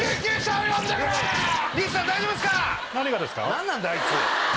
何なんだよあいつ！